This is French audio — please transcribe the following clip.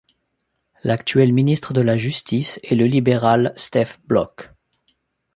L'actuel ministre de la Justice est le libéral Stef Blok.